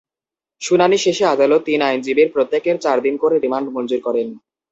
শুনানি শেষে আদালত তিন আইনজীবীর প্রত্যেকের চার দিন করে রিমান্ড মঞ্জুর করেন।